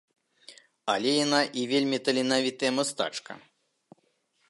Але яна і вельмі таленавітая мастачка.